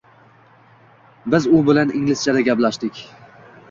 — Biz u bilan inglizchada gaplashdik.